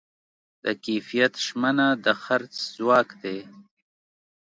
د کیفیت ژمنه د خرڅ ځواک دی.